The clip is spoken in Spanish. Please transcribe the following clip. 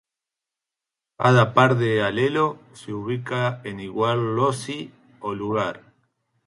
Cada par de alelo se ubica en igual loci o lugar.